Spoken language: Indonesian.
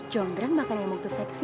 jongdrang bahkan yang mutus seksi